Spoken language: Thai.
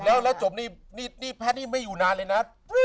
แล้วแล้วจบนี่แพทย์ไม่อยู่นานเลยนะ